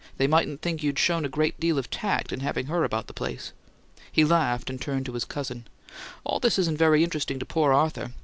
They mightn't think you'd show great tact in having her about the place." He laughed, and turned to his cousin. "All this isn't very interesting to poor Arthur.